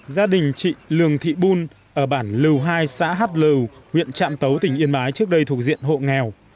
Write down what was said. gia đình chị lường thị bun ở bản lưu hai xã hát lưu huyện trạm tấu tỉnh yên bái trước đây thuộc diện hộ nghèo